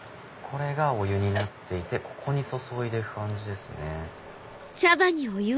これがお湯になっていてここに注いで行く感じですね。